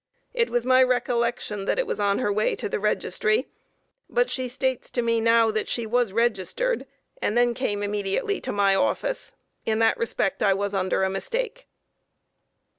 It was my recollection that it was on her way to the registry, but she states to me now that she was registered and came immediately to my office. In that respect I was under a mistake.